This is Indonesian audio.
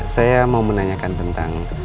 saya mau menanyakan tentang